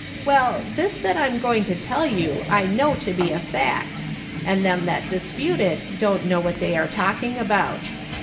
Well, this that I'm going to tell you 1 know to be a fact, and them that dispute it don't know what they are talking about.